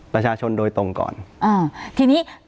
ประชาชนโดยตรงก่อน